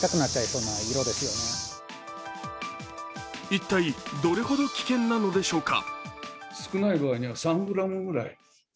一体どれほど危険なのでしょうか。